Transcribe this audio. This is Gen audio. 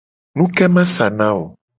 Nuke ma sa na wo ?